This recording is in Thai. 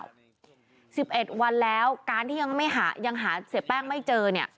๑๑วันแล้วการที่ยังหาเสียแป้งไม่เจอ